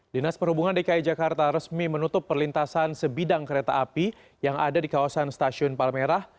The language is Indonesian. dinas perhubungan dki jakarta resmi menutup perlintasan sebidang kereta api yang ada di kawasan stasiun palmerah